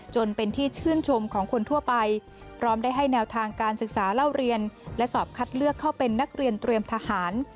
จนเป็นที่ชื่นชมของคนทั่วไปพร้อมได้ให้แนวทางการศึกษาเล่าเรียนและสอบคัดเลือกเข้าเป็นนักเรียนเตรียมทหาร